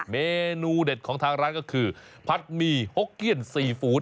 เมนูเด็ดของทางร้านก็คือผัดหมี่หกเกี้ยนซีฟู้ด